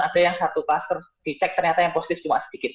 ada yang satu kluster dicek ternyata yang positif cuma sedikit